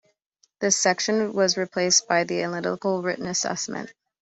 This section was replaced by the Analytical Writing Assessment.